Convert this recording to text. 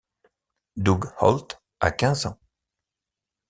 Doug Holt a quinze ans.